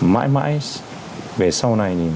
mãi mãi về sau này